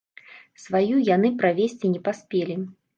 Сваю яны правесці не паспелі.